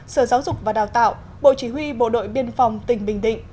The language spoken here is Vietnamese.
sở giáo dục và đào tạo bộ chỉ huy bộ đội biên phòng tỉnh bình định